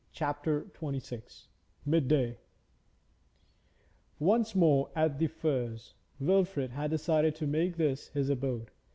CHAPTER XXVI MID DAY Once more at The Firs. Wilfrid had decided to make this his abode.